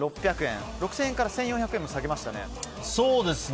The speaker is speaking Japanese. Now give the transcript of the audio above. ６０００円から１４００円も下げましたね。